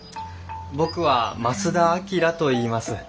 僕は益田旭といいます。